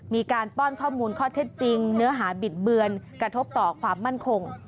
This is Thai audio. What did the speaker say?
ป้อนข้อมูลข้อเท็จจริงเนื้อหาบิดเบือนกระทบต่อความมั่นคง